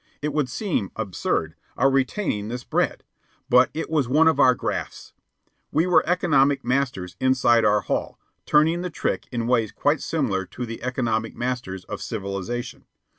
It would seem absurd, our retaining this bread. But it was one of our grafts. We were economic masters inside our hall, turning the trick in ways quite similar to the economic masters of civilization.